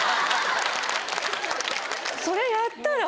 それやったら。